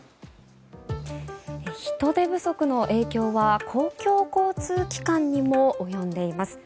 人手不足の影響は公共交通機関にも及んでいます。